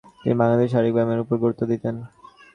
তিনি বাঙালিদের শারীরিক ব্যায়ামের উপর গুরুত্ব দিতেন।